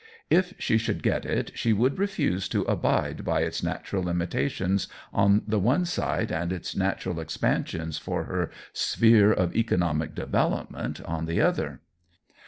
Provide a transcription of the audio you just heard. If she should get it she would refuse to abide by its natural limitations on the one side and its natural expansions for her sphere of economic development on the other.